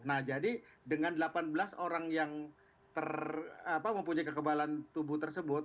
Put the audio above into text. nah jadi dengan delapan belas orang yang mempunyai kekebalan tubuh tersebut